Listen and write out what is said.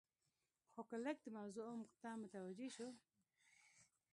خو که لږ د موضوع عمق ته متوجې شو.